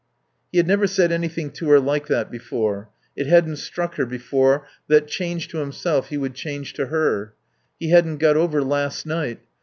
He had never said anything to her like that before. It hadn't struck her before that, changed to himself, he would change to her. He hadn't got over last night.